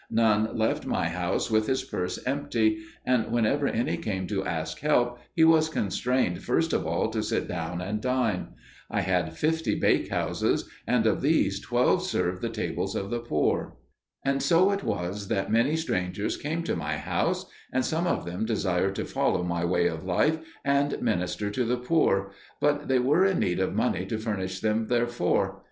None left my house with his purse empty, and whenever any came to ask help, he was constrained first of all to sit down and dine. I had fifty bakehouses, and of these, twelve served the tables of the poor. And so it was that many strangers came to my house, and some of them desired to follow my way of life and minister to the poor, but they were in need of money to furnish them therefor.